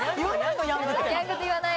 言わない。